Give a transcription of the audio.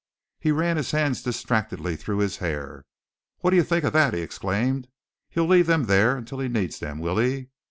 He ran his hands distractedly through his hair. "What do you think of that?" he exclaimed. "He'll leave them there until he needs them, will he?